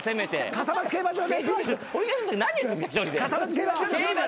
笠松競馬場。